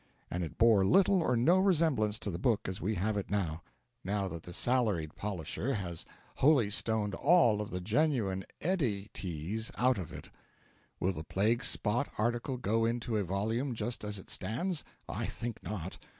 And it bore little or no resemblance to the book as we have it now now that the salaried polisher has holystoned all of the genuine Eddyties out of it. Will the plague spot article go into a volume just as it stands? I think not.